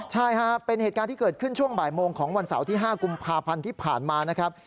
ใช่ฮะเป็นเหตุการณ์ที่เกิดขึ้นช่วงบ่ายโมงของวันเสาร์ที่๕กุมภาพันธ์ที่ผ่านมานะครับ